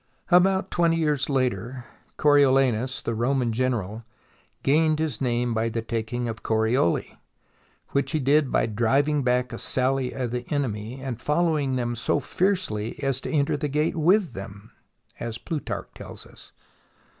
About twenty years later Coriolanus, the Roman general, gained his name by the taking of Corioli, which he did by driving back a sally of the enemy, and following them so fiercely as to enter the gate with them, as Plutarch tells us.